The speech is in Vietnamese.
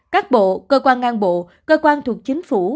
các bộ cơ quan ngang bộ cơ quan thuộc chính phủ